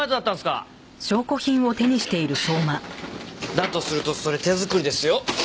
だとするとそれ手作りですよ。